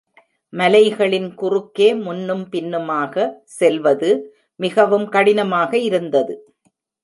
மலைகளின் குறுக்கே முன்னும் பின்னுமாக செல்வது மிகவும் கடினமாக இருந்தது.